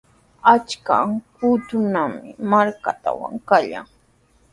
Achka qutrakunami markaatrawqa kallan.